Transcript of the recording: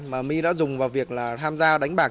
mà my đã dùng vào việc là tham gia đánh bạc